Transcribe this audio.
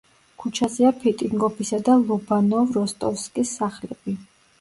ქუჩაზეა ფიტინგოფისა და ლობანოვ როსტოვსკის სახლები.